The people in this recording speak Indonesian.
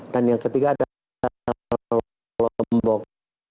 dan yang ketiga adalah lombok